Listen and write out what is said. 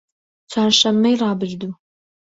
چوارشەممەی ڕابردوو